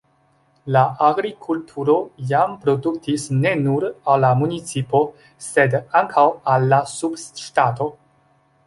La agrikulturo jam produktis ne nur al la municipo, sed ankaŭ al la subŝtato.